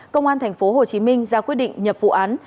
công an tp hcm ra quyết định nhập vụ án